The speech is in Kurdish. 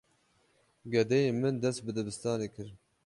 Gedeyên min dest bi dibistanê kirin.